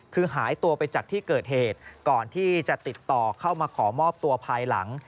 คือหายตัวไปจากที่เกิดเหตุก่อนที่จะติดต่อเข้ามาขอมอบตัวภายหลัง